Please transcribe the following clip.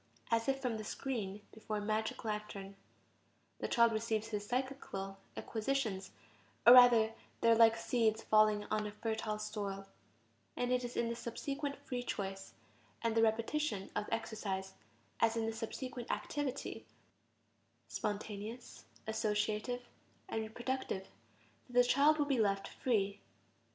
As if from the screen before a magic lantern, the child receives his psychical acquisitions, or rather they are like seeds falling on a fertile soil; and it is in the subsequent free choice, and the repetition of the exercise, as in the subsequent activity, spontaneous, associative, and reproductive, that the child will be left "free."